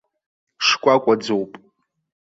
Шкәакәаӡоуп.